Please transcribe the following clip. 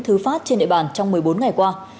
thư phát trên địa bàn trong một mươi bốn ngày qua